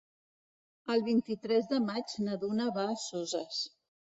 El vint-i-tres de maig na Duna va a Soses.